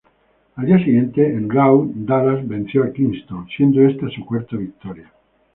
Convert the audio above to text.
Al día siguiente en Raw, Dallas venció a Kingston, siendo esta su cuarta victoria.